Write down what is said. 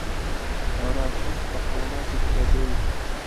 او راتلونکې تحولاتو کې به دوی